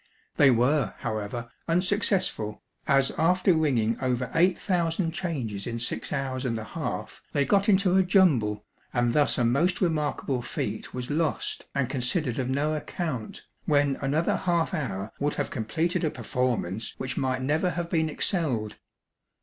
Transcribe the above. They were, however, unsuccessful, as after ringing over eight thousand changes in six hours and a half, they got into a 'jumble,' and thus a most remarkable feat was lost, and considered of no account, when another half hour would have completed a performance which might never have been excelled.